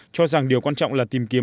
cho rằng điều quan trọng là tìm kiếm